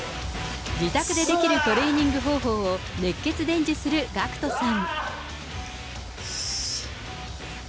自宅でできるトレーニング方法を、熱血伝授するＧＡＣＫＴさん。